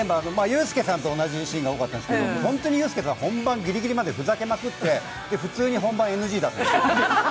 ユースケさんと同じシーンが多かったんですけどユースケさんは本番ぎりぎりまでふざけまくって、普通に本番ＮＧ出すんですよ。